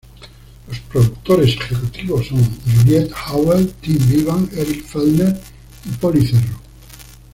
Los productores ejecutivos son Juliette Howell, Tim Bevan, Eric Fellner, y Polly Cerro.